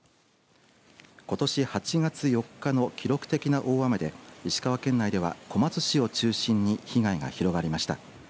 ことし８月４日の記録的な大雨で石川県内では、小松市を中心に被害が広がりました。